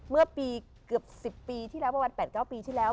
เมื่อปีเกือบ๑๐ปีที่แล้วประมาณ๘๙ปีที่แล้ว